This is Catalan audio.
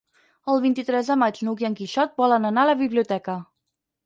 El vint-i-tres de maig n'Hug i en Quixot volen anar a la biblioteca.